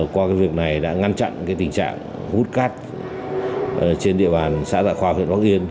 qua việc này đã ngăn chặn tình trạng hút cát trên địa bàn xã đại khoa huyện bắc yên